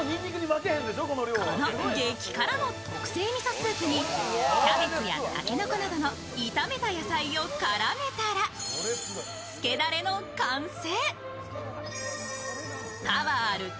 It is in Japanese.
この激辛の特製味噌スープにキャベツや竹の子などの炒めた野菜を絡めたら、つけだれの完成。